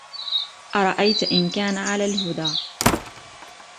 أرأيت إن كان على الهدى